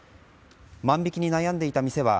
万引きに悩んでいた店は